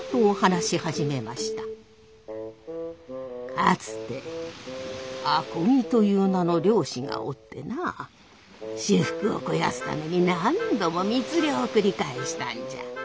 「かつて阿漕という名の漁師がおってな私腹を肥やすために何度も密漁を繰り返したんじゃ。